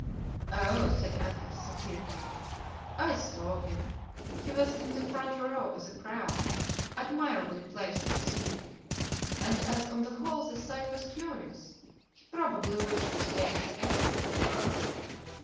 "Oh!" said Athos, satirically, "I saw him. He was in the front row of the crowd, admirably placed for seeing; and as on the whole the sight was curious, he probably wished to stay to the end."